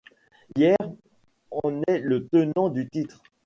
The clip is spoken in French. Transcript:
Hyères en est le tenant du titre.